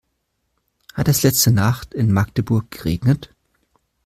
Hat es letzte Nacht in Magdeburg geregnet?